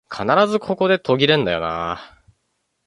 必ずここで途切れんだよなあ